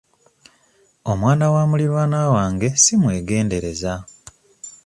Omwana wa muliraanwa wange simwegendereza.